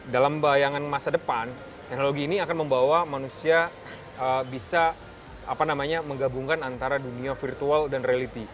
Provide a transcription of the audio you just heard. dalam bayangan masa depan teknologi ini akan membawa manusia bisa menggabungkan antara dunia virtual dan reality